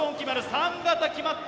３型決まった！